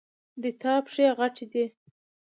د تا پښې غټي دي